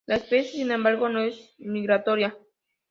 La especie, sin embargo, no es migratoria.